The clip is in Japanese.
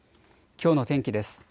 きょうの天気です。